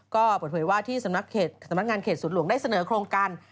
ก็เปิดเผยว่าที่สำนักงานเขตศูนย์หลวงได้เสนอโครงการ